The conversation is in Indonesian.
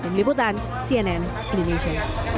mlih butan cnn indonesia